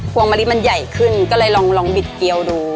วงมะลิมันใหญ่ขึ้นก็เลยลองบิดเกียวดู